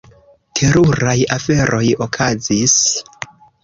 Teruraj aferoj okazis.